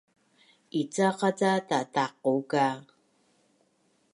Icaqa ca tataqu ka?